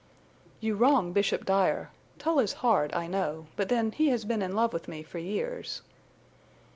"You wrong Bishop Dyer. Tull is hard, I know. But then he has been in love with me for years."